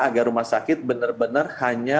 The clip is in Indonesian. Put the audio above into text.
agar rumah sakit benar benar hanya